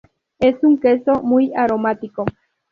Es un queso muy aromático.